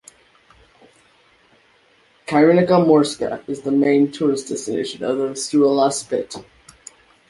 Krynica Morska is the main tourist destination on the Vistula Spit.